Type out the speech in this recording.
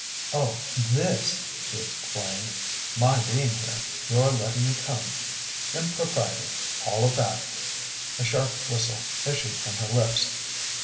"Oh, THIS," she explained, "my being here; your letting me come. Impropriety all of that!" A sharp whistle issued from her lips.